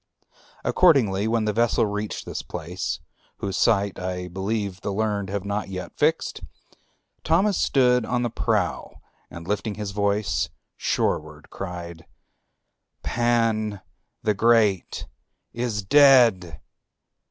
Accordingly, when the vessel reached this place, whose site I believe the learned have not yet fixed, Thamous stood on the prow and lifting his voice shoreward cried, "Pan the Great is dead!"